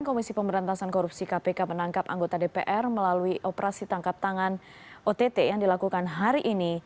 komisi pemberantasan korupsi kpk menangkap anggota dpr melalui operasi tangkap tangan ott yang dilakukan hari ini